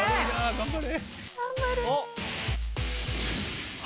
頑張れ！